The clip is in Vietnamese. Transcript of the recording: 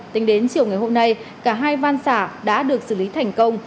tính đến chiều ngày hôm nay cả hai van xả đã được xử lý thành công